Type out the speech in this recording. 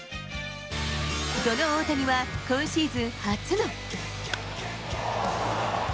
その大谷は、今シーズン初の。